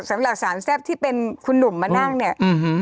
สำหรับสารแซ่บที่เป็นคุณหนุ่มมานั่งเนี่ย